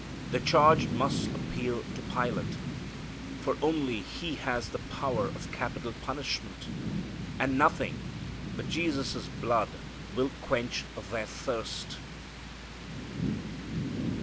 The charge must appeal to Pilate, for only he has power of capital punishment, and nothing but Jesus' blood will quench their thirst.